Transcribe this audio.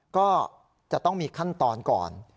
ก็จะต้องมีขั้นตอนก่อน